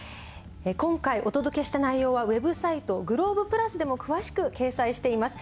今回お届けした内容はウェブサイトＧＬＯＢＥ＋でも詳しく掲載しています。